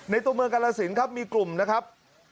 ตัวเมืองกาลสินครับมีกลุ่มนะครับ